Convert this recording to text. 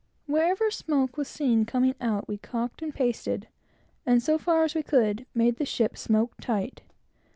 Wherever smoke was seen coming out, we calked and pasted, and, so far as we could, made the ship smoke tight.